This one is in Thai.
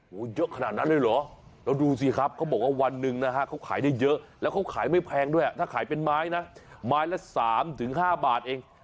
โอ้โหเยอะขนาดนั้นเลยเหรอแล้วดูสิครับเขาบอกว่าวันหนึ่งนะฮะเขาขายได้เยอะแล้วเขาขายไม่แพงด้วยถ้าขายเป็นไม้นะไม้ละ๓๕บาทเอง